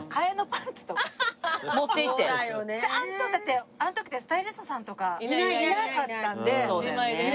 ちゃんとだってあの時ってスタイリストさんとかいなかったんで自前なんで。